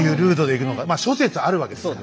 まあ諸説あるわけですから。